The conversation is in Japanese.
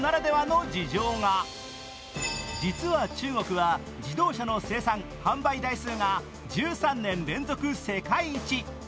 実は中国は自動車の生産販売台数が１３年連続世界一。